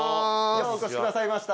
ようお越しくださいました。